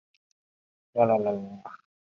议决方式